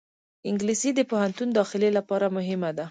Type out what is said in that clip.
انګلیسي د پوهنتون داخلې لپاره مهمه ده